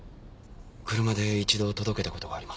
車で一度届けた事があります。